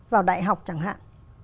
vào đại học chẳng hạn